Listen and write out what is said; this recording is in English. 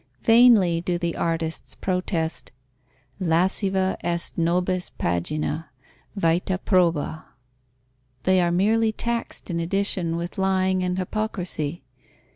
Vainly do the artists protest: lasciva est nobis pagina, vita proba. They are merely taxed in addition with lying and hypocrisy.